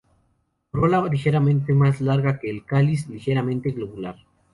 Corola ligeramente más larga que el cáliz, ligeramente globular.